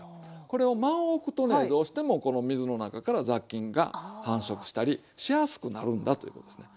これを間をおくとねどうしてもこの水の中から雑菌が繁殖したりしやすくなるんだということですね。